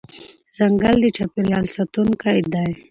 ځنګل د چاپېریال ساتونکی دی.